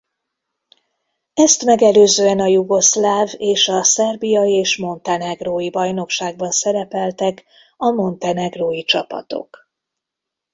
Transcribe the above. Ezt megelőzően a jugoszláv és a Szerbia és Montenegró-i bajnokságban szerepeltek a montenegrói csapatok.